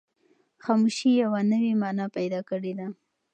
خاموشي یوه نوې مانا پیدا کړې ده.